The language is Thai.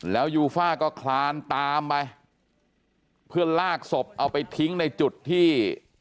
แล้วยูฟ่าก็คลานตามไปเพื่อลากศพเอาไปทิ้งในจุดที่